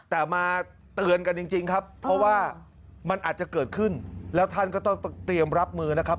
แต่มาเตือนกันจริงครับเพราะว่ามันอาจจะเกิดขึ้นแล้วท่านก็ต้องเตรียมรับมือนะครับ